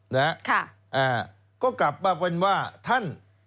นะฮะค่ะอ่าก็กลับมาเป็นว่าท่าน